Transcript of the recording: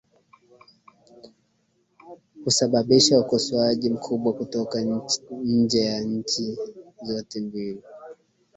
husababisha ukosoaji mkubwa kutoka nje ya nchi zote mbili